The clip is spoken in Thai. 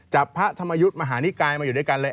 พระธรรมยุทธ์มหานิกายมาอยู่ด้วยกันเลย